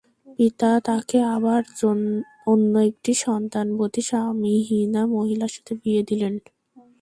পিতা তাঁকে আবার অন্য একটি সন্তানবতী স্বামীহীনা মহিলার সাথে বিয়ে দিলেন।